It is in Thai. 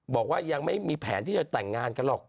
บอกว่ายังไม่มีแผนที่จะแต่งงานกันหรอก